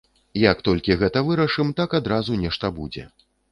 Як толькі гэта вырашым, так адразу нешта будзе.